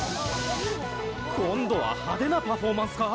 今度は派手なパフォーマンスか？